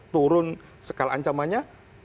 turun skala ancamannya